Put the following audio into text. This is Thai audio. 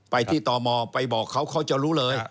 ไปที่ตมไปบอกเขาเขาจะรู้เลย